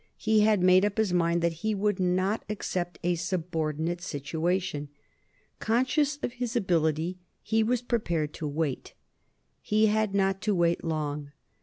He had made up his mind that he would not accept a subordinate situation. Conscious of his ability, he was prepared to wait. He had not to wait long.